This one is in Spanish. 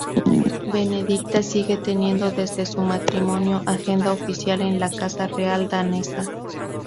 Benedicta sigue teniendo desde su matrimonio agenda oficial en la casa real danesa.